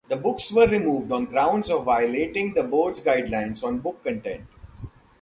The books were removed on grounds of violating the board's guidelines on book content.